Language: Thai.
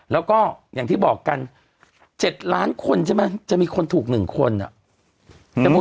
แล้วก็อย่างที่บอกกันเจ็ดล้านคนใช่ไหมจะมีคนถูกหนึ่งคนอ่ะ